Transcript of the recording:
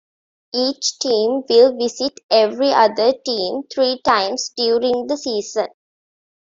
Each team will visit every other team three times during the season.